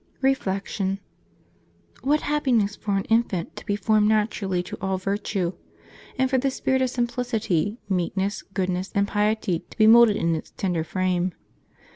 Reflection. — ^What happiness for an infant to be formed naturally to all virtue, and for the spirit of simplicity, meekness, goodness, and piety to be moulded in its tender frame